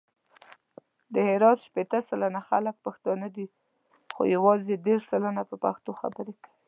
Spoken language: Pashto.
د هرات شپېته سلنه خلګ پښتانه دي، خو یوازې دېرش سلنه په پښتو خبري کوي.